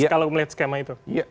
kalau melihat skema itu